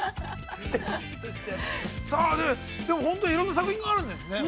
でも本当に、いろんな作品があるんですね。